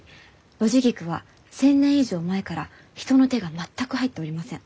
ノジギクは１，０００年以上前から人の手が全く入っておりません。